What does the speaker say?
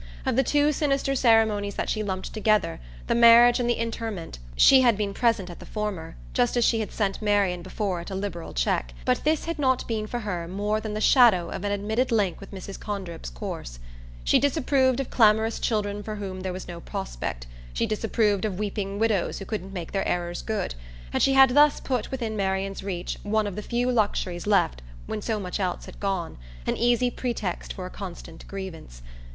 Of the two sinister ceremonies that she lumped together, the marriage and the interment, she had been present at the former, just as she had sent Marian before it a liberal cheque; but this had not been for her more than the shadow of an admitted link with Mrs. Condrip's course. She disapproved of clamorous children for whom there was no prospect; she disapproved of weeping widows who couldn't make their errors good; and she had thus put within Marian's reach one of the few luxuries left when so much else had gone, an easy pretext for a constant grievance.